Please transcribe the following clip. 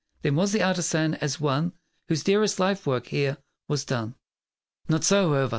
Then was the artisan as one Whose dearest life work, here, was done. Not so, howe'er!